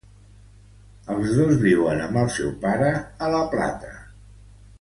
Els dos viuen amb el seu pare a La Plata.